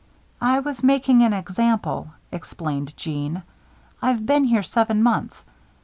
"I was making an example," explained Jeanne. "I've been here seven months.